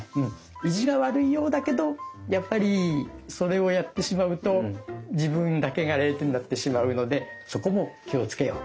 意地が悪いようだけどやっぱりそれをやってしまうと自分だけが０点になってしまうのでそこも気をつけよう。